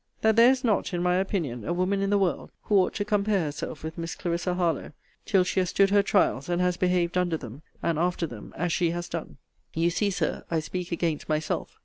That there is not, in my opinion, a woman in the world, who ought to compare herself with Miss Clarissa Harlowe till she has stood her trials, and has behaved under them, and after them, as she has done. You see, Sir, I speak against myself.